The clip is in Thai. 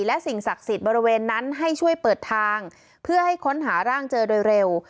และสิ่งศักดิ์สิทธิ์บริเวณนั้นให้ช่วยเปิดทางเพื่อให้ค้นหาร่างเจอโดยเร็ว